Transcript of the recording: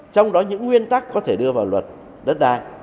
trong đó những nguyên tắc có thể đưa vào luật đất đai